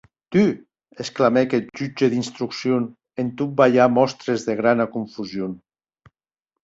Tu?, exclamèc eth jutge d’instrucción, en tot balhar mòstres de grana confusion.